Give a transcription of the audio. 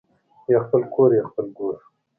یا خپل کور یا خپل ګور